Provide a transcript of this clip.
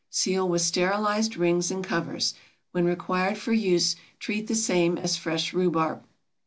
Seal with sterilized rings and covers. When required for use, treat the same as fresh rhubarb.